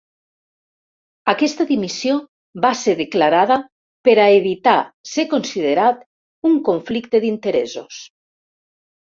Aquesta dimissió va ser declarada per a evitar ser considerat un conflicte d'interessos.